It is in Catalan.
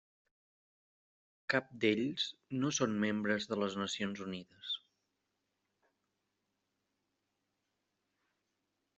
Cap d'ells no són membres de les Nacions Unides.